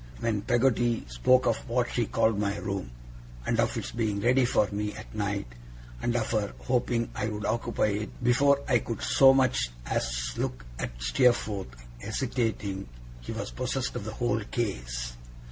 When Peggotty spoke of what she called my room, and of its being ready for me at night, and of her hoping I would occupy it, before I could so much as look at Steerforth, hesitating, he was possessed of the whole case.